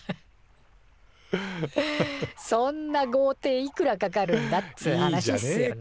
そんなごうていいくらかかるんだっつう話っすよね。